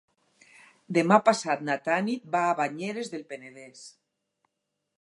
Demà passat na Tanit va a Banyeres del Penedès.